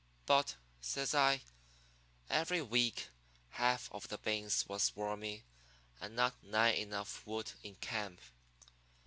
But,' says I, 'every week half of the beans was wormy, and not nigh enough wood in camp.